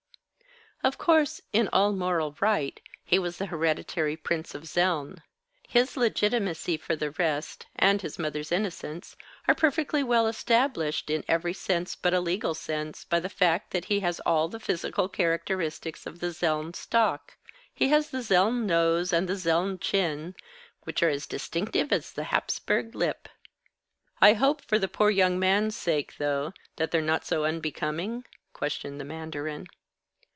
Of course, in all moral right, he was the Hereditary Prince of Zeln. His legitimacy, for the rest, and his mother's innocence, are perfectly well established, in every sense but a legal sense, by the fact that he has all the physical characteristics of the Zeln stock. He has the Zeln nose and the Zeln chin, which are as distinctive as the Hapsburg lip." "I hope, for the poor young man's sake, though, that they're not so unbecoming?" questioned the mandarin.